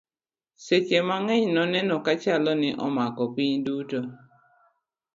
sechhe mang'eny noneno kachalo ni omako piny duto